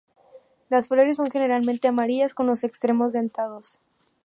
Las flores son generalmente amarillas con los extremos dentados.